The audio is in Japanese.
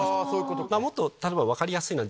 もっと例えば分かりやすいのは。